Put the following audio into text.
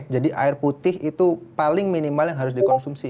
air putih itu paling minimal yang harus dikonsumsi